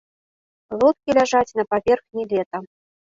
Лодкі ляжаць на паверхні лета.